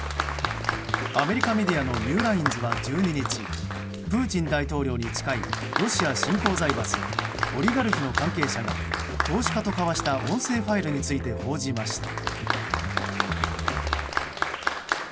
アメリカメディアの「ニューラインズ」は１２日プーチン大統領に近いロシア新興財閥オリガルヒの関係者が投資家と交わした音声ファイルについて報じました。